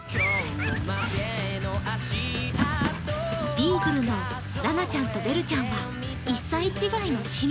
ビーグルのラナちゃんとベルちゃんは１歳違いの姉妹。